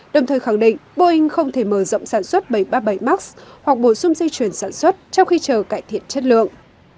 đồng thời khẳng định boeing không thể mở rộng sản xuất bảy trăm ba mươi bảy max hoặc bổ sung dây chuyển sản xuất trong khi chờ cải thiện chất lượng